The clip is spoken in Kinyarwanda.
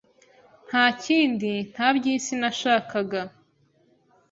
nta kindi nta by’isi nashakaga.